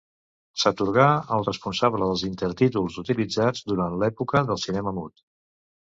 S'atorgà al responsable dels intertítols utilitzats durant l'època del cinema mut.